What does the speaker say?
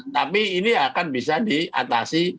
tapi ini akan bisa diatasi